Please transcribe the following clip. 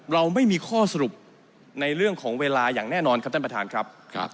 เราไม่มีข้อสรุปในเรื่องของเวลาอย่างแน่นอนครับ